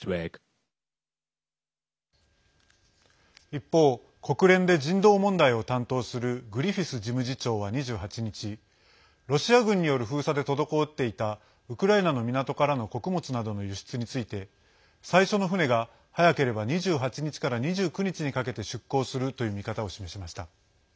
一方、国連で人道問題を担当するグリフィス事務次長は２８日ロシア軍による封鎖で滞っていたウクライナの港からの穀物などの輸出について最初の船が早ければ２８日から２９日かけて出港するという見方を示しました。